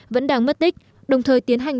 vẫn đang mất tích đồng thời tiến hành